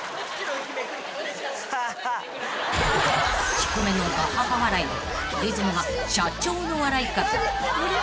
［低めのガハハ笑いでリズムが社長の笑い方］